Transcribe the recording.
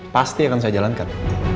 pasti akan saya jalankan